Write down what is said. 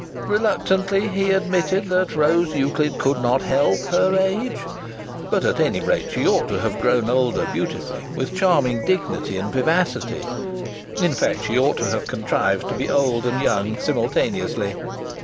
Reluctantly he admitted that Rose Euclid could not help her age. But, at any rate, she ought to have grown older beautifully, with charming dignity and vivacity in fact, she ought to have contrived to be old and young simultaneously.